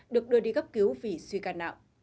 được đưa đi gấp cứu vì suy gan nặng